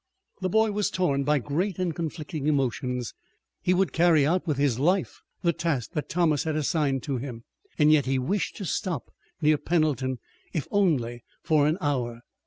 The boy was torn by great and conflicting emotions. He would carry out with his life the task that Thomas had assigned to him, and yet he wished to stop near Pendleton, if only for an hour.